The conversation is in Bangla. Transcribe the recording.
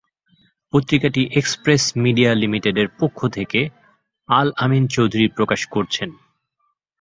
পত্রিকাটি এক্সপ্রেস মিডিয়া লিমিটেডের পক্ষ থেকে আল আমিন চৌধুরী প্রকাশ করছেন।